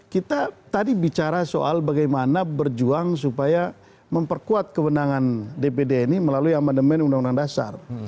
kita tadi bicara soal bagaimana berjuang supaya memperkuat kewenangan dpd ini melalui amandemen undang undang dasar